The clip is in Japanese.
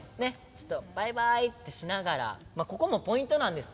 ちょっとバイバイってしながらここもポイントなんですよ。